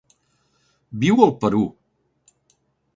Viu al Perú.